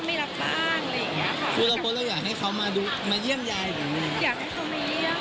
อยากให้เขามาเยี่ยม